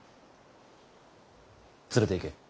連れていけ！